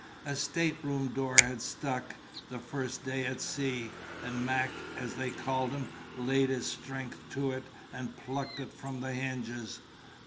A stateroom door had stuck, the first day at sea, and Mac (as they called him) laid his strength to it and plucked it from the hinges.